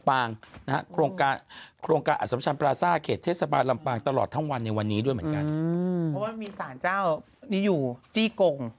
เพราะว่ามีศาลเจ้านี่อยู่ที่จีกง